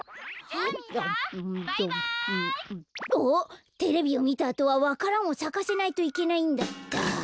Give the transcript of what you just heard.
あっテレビをみたあとはわか蘭をさかせないといけないんだった。